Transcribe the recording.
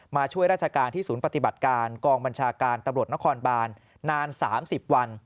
มาช่วยราชการที่ศูนย์ปฏิบัติการกองบัญชาการตำรวจนครบานนาน๓๐วัน